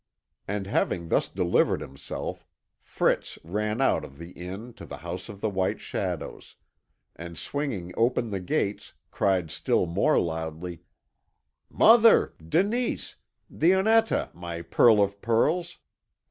And having thus delivered himself, Fritz ran out of the inn to the House of White Shadows, and swinging open the gates, cried still more loudly: "Mother Denise! Dionetta, my pearl of pearls!